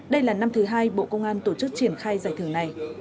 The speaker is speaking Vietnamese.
đây là năm thứ hai bộ công an tổ chức triển khai giải thưởng này